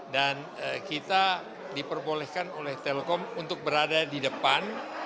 dan kita diperbolehkan oleh telkom untuk berada di depan